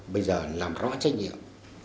bây giờ làm rõ trách nhiệm